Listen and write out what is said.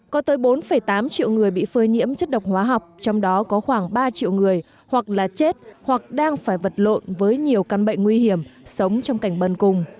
có tới bốn tám triệu người bị phơi nhiễm chất độc hóa học trong đó có khoảng ba triệu người hoặc là chết hoặc đang phải vật lộn với nhiều căn bệnh nguy hiểm sống trong cảnh bần cùng